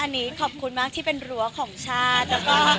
อันนี้ขอบคุณมากที่เป็นรั้วของชาติ